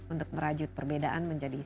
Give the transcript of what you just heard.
untuk merajut perbedaan menjadi